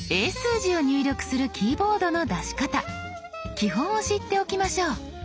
基本を知っておきましょう。